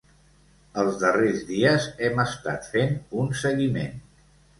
Els darrers dies hem estat fent un seguiment.